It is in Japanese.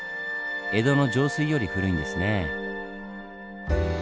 江戸の上水より古いんですねぇ。